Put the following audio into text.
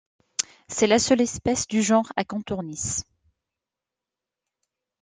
C'est la seule espèce du genre Acanthornis.